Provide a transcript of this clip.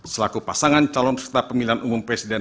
selaku pasangan calon peserta pemilihan umum presiden